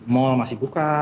mall masih buka